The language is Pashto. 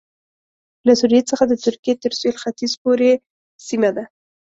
له سوریې څخه د ترکیې تر سوېل ختیځ پورې سیمه ده